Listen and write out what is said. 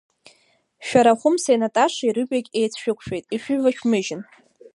Шәара Хәымсеи Наташеи рыҩбагь еицшәықәшәеит, ишәывышәмыжьын.